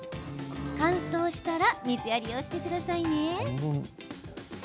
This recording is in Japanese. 乾燥したら水やりをしてくださいね。